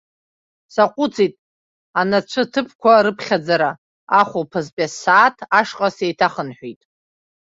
Саҟәыҵит анацәаҭыԥқәа рыԥхьаӡара, ахәылԥазтәи ссааҭ ашҟа сеиҭахынҳәит.